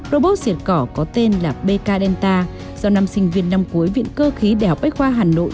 robot diệt cỏ có tên là bk delta do năm sinh viên năm cuối viện cơ khí đèo bách khoa hà nội